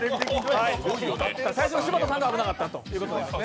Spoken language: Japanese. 柴田さんが危なかったということですね。